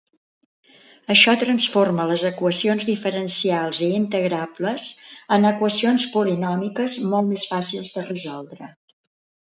Això transforma les equacions diferencials i integrables en equacions polinòmiques, molt més fàcils de resoldre.